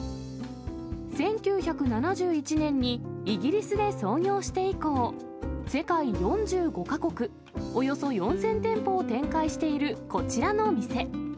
１９７１年にイギリスで創業して以降、世界４５か国、およそ４０００店舗を展開しているこちらの店。